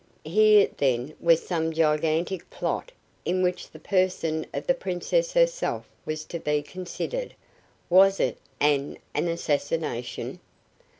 Here, then, was some gigantic plot in which the person of the Princess herself was to be considered. Was it an assassination?